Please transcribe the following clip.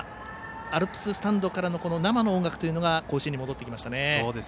アルプススタンドからの生の音楽というのが甲子園に戻ってきましたね。